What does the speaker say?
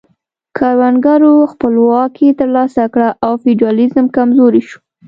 کروندګرو خپلواکي ترلاسه کړه او فیوډالیزم کمزوری شو.